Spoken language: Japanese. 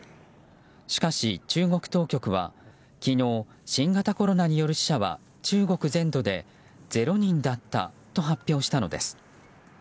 しかし、中国当局は昨日、新型コロナによる死者は中国全土で０人だったと発表したのです。